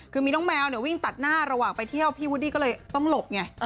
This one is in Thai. คือมีน้องแมววิ่งตัดหน้าระหว่างไปเที่ยวพี่วูดดี้ก็เลยต้องหลบไง